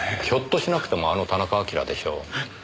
ひょっとしなくてもあの田中晶でしょう。え？